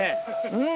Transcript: うん！